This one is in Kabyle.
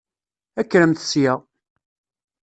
Kkremt sya!